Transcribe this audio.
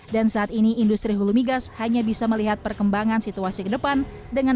dan saat ini industri hulu migas hanya bisa melihat perkembangan situasi ke depan dengan